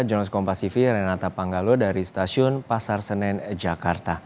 jurnalist kompas tv renata panggalua dari stasiun pasar senen jakarta